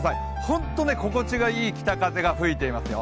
ほんと、心地のいい北風が吹いていますよ。